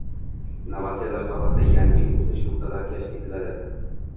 Innovatsiyalar sohasida yangi o‘sish nuqtalari kashf etilading